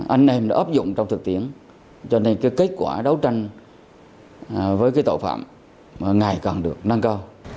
anh em đã áp dụng trong thực tiễn cho nên cái kết quả đấu tranh với cái tội phạm ngày càng được nâng cao